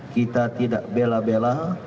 kita tidak bela bela